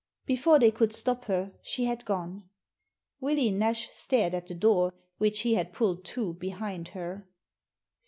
Before they could stop her she had gone. Willie Nash stared at the door which she had pulled to behind her.